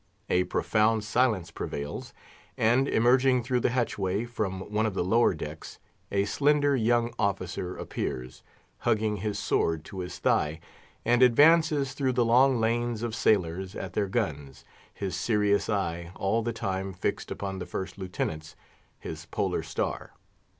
A profound silence prevails; and, emerging through the hatchway, from one of the lower decks, a slender young officer appears, hugging his sword to his thigh, and advances through the long lanes of sailors at their guns, his serious eye all the time fixed upon the First Lieutenant's—his polar star.